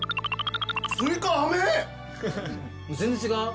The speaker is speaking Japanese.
全然違う？